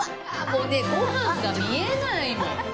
もうねご飯が見えないもん。